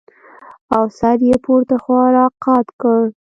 او سر يې پورته خوا راقات کړ.